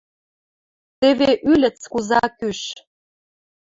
Теве ӱлӹц куза кӱш.